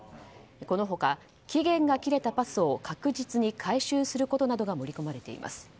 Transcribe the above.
この他、期限が切れたパスを確実に回収することなどが盛り込まれています。